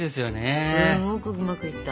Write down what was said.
すごくうまくいった！